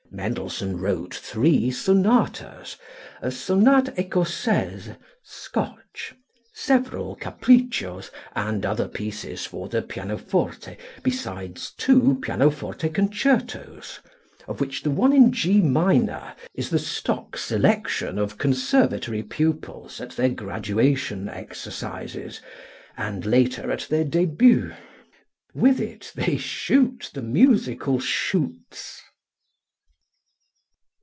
Mendelssohn wrote three sonatas, a "Sonata Ecossaies" (Scotch), several capriccios and other pieces for the pianoforte, besides two pianoforte concertos, of which the one in G minor is the stock selection of conservatory pupils at their graduation exercises and later at their début. With it they shoot the musical chutes.